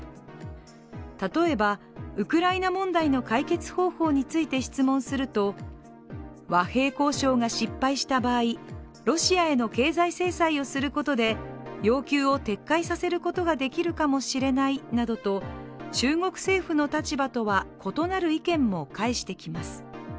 例えば、ウクライナ問題の解決方法について質問すると和平交渉が失敗した場合、ロシアへの経済制裁をすることで要求を撤回させることができるかもしれないなどと中国政府の立場とは異なる意見も返してきます